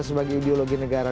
sebagai ideologi negara